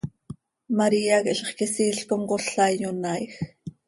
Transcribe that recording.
María quih zixquisiil com cola iyonaaij.